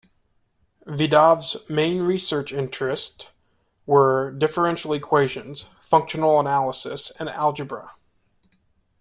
Vidav's main research interest were differential equations, functional analysis and algebra.